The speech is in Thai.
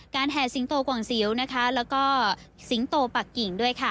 แห่สิงโตกว่างสิวนะคะแล้วก็สิงโตปักกิ่งด้วยค่ะ